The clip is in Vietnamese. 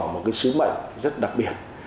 một cái sứ mệnh rất đặc biệt